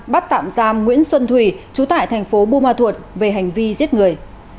bắt tạm giam nguyễn xuân thủy chú tải thành phố bù ma thuột về hành vi giết người